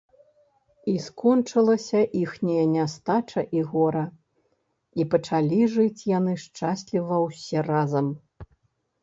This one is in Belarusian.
І скончылася іхняя нястача і гора, і пачалі жыць яны шчасліва ўсе разам